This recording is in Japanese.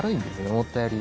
思ったより。